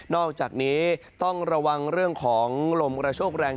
อกจากนี้ต้องระวังเรื่องของลมกระโชคแรง